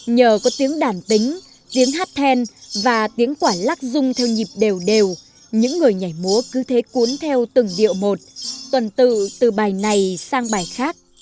nhờ có tiếng đàn tính tiếng hát then và tiếng quản lắc dung theo nhịp đều đều những người nhảy múa cứ thế cuốn theo từng điệu một tuần tự từ bài này sang bài khác